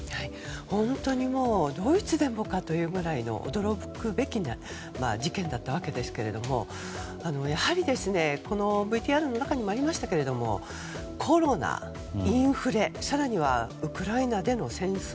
本当にドイツでもかというぐらいの驚くべき事件だったわけですけどやはり、このＶＴＲの中にもありましたけれどもコロナ、インフレ更にはウクライナでの戦争。